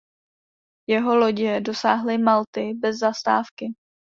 Jeho lodě dosáhly Malty bez zastávky.